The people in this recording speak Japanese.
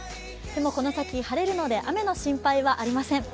この先、晴れるので雨の心配はありません。